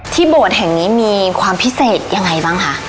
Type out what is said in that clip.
โบสถ์แห่งนี้มีความพิเศษยังไงบ้างคะ